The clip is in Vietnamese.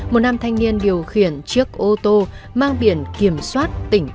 một nam thanh niên điều khiển chiếc ô tô mang biển kiểm soát tỉnh bắc